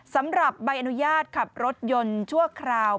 สำหรับใบอนุญาตขับรถยนต์ชั่วคราว